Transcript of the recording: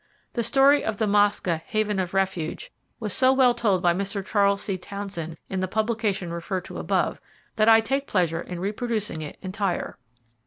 The story of the Mosca "Haven of Refuge" was so well told by Mr. Charles C. Townsend in the publication referred to above, that I take pleasure in reproducing it entire.